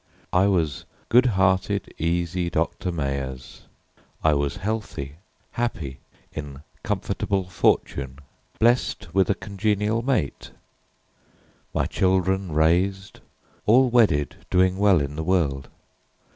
I was good hearted, easy Doctor Meyers. I was healthy, happy, in comfortable fortune, Blest with a congenial mate, my children raised, All wedded, doing well in the world.